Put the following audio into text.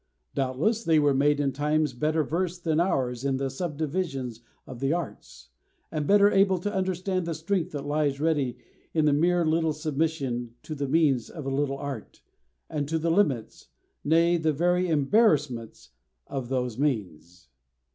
Doubtless they were made in times better versed than ours in the sub divisions of the arts, and better able to understand the strength that lies ready in the mere little submission to the means of a little art, and to the limits nay, the very embarrassments of those means.